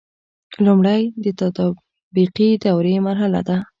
لمړی د تطابقي دورې مرحله ده.